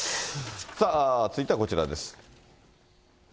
続いてはこちらです。